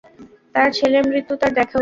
তার ছেলের মৃত্যু তার দেখা উচিৎ।